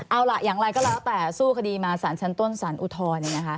เอาล่ะอย่างไรก็แล้วแต่สู้คดีมาสารชั้นต้นสารอุทธรณ์